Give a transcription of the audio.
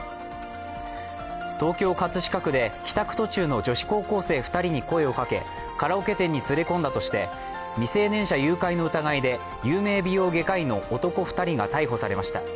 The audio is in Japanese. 東京・葛飾区で帰宅途中の女子高校生２人に声をかけカラオケ店に連れ込んだとして未成年者誘拐の疑いで有名美容外科医の男２人が逮捕されました。